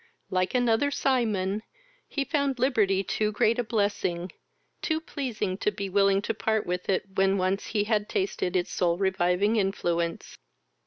Like another Cymon, he found liberty too great a blessing, too pleasing to be willing to part with it when once he had tasted its soul reviving influence.